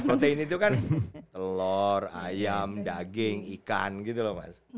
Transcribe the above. protein itu kan telur ayam daging ikan gitu loh mas